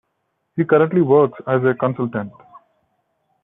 He currently works as a consultant.